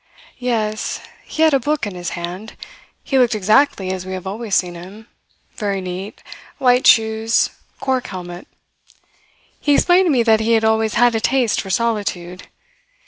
Yes. He had a book in his hand. He looked exactly as we have always seen him very neat, white shoes, cork helmet. He explained to me that he had always had a taste for solitude.